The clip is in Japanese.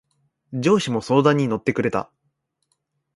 上司も相談に乗ってくれた。